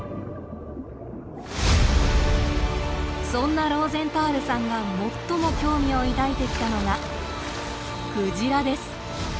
そんなローゼンタールさんが最も興味を抱いてきたのがクジラです。